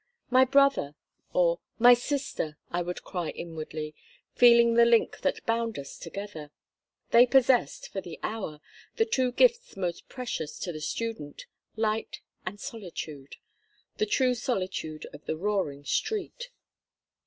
"My brother!" or "My sister!" I would cry inwardly, feeling the link that bound us together. They possessed, for the hour, the two gifts most precious to the student—light and solitude: the true solitude of the roaring street.